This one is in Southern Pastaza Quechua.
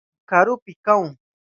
Karupi kahun.